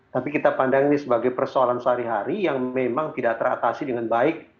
tapi kita pandang ini sebagai persoalan sehari hari yang memang tidak teratasi dengan baik